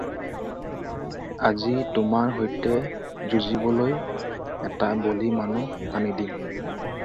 আজি তোমাৰ সৈতে যুঁজিবলৈ এটা বলী মানুহ আনি দিম।